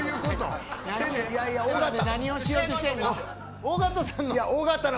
何をしようとしてんの。